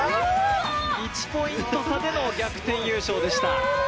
１ポイント差での逆転優勝でした。